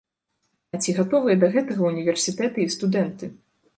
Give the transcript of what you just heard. А ці гатовыя да гэтага ўніверсітэты і студэнты?